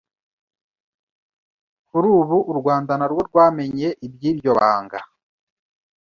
Kuri ubu u Rwanda narwo rwamenye iby’iryo banga